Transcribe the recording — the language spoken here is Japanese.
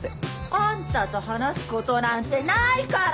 あんたと話すことなんてないから！